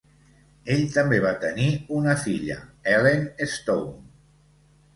Ell també va tenir una filla, Ellen Stone.